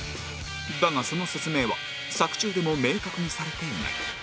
だがその説明は作中でも明確にされていない